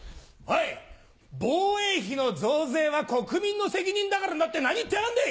防衛費の増税は国民の責任だからなって何言ってやがんでい！